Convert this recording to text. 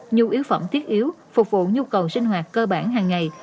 nhu yếu phẩm thiết yếu phục vụ nhu cầu sinh hoạt cơ bản hàng ngày